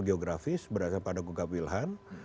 geografis berdasarkan pada kogak wilayah